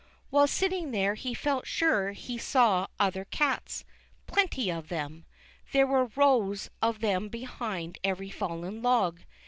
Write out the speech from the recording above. While sitting there he felt sure he saw other cats, plenty of them. There were rows of them behind every fallen log.